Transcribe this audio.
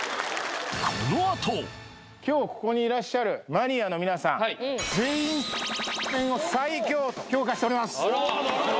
このあと今日ここにいらっしゃるマニアの皆さん全員○○麺を最強！と評価しております